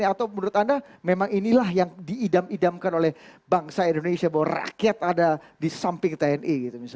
atau menurut anda memang inilah yang diidam idamkan oleh bangsa indonesia bahwa rakyat ada di samping tni